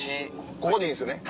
ここでいいんですね？